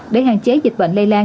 để hạn chế dịch bệnh lây lan